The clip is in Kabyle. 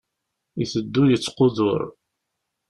Iteddu yettqudur.